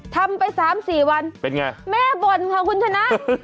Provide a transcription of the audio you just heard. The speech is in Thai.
ทำไป๓๔วันแม่บ่นค่ะคุณชนะ